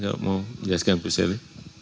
kalau mau yayaskan bu sely